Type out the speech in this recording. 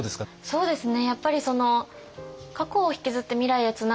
そうですね。